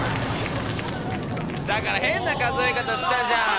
だから変な数え方したじゃん。